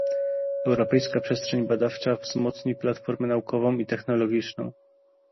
Europejska Przestrzeń Badawcza wzmocni platformę naukową i technologiczną